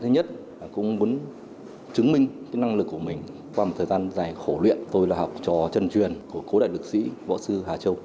năng lực của mình qua một thời gian dài khổ luyện tôi là học trò chân truyền của cố đại lực sĩ võ sư hà châu